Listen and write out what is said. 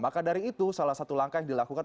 maka dari itu salah satu langkah yang dilakukan